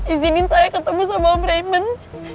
izinin saya ketemu sama om rayment